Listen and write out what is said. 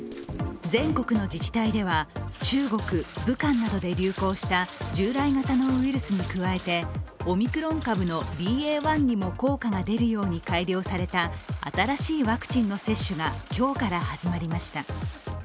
全国の自治体では中国武漢などで流行した従来型のウイルスに加えてオミクロン株のＢＡ．１にも効果が出るように改良された新しいワクチンの接種が今日から始まりました。